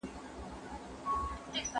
استاد د شاګرد کار څنګه ارزوي؟